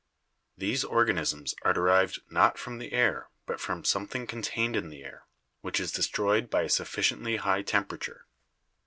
These organisms are derived not from the air but from something contained in the air, which is destroyed by a sufficiently high temperature."